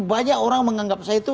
banyak orang menganggap saya itu